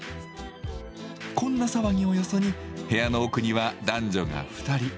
こんな騒ぎをよそに部屋の奥には男女が２人。